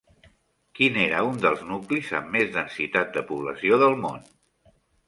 Quin era un dels nuclis amb més densitat de població del món?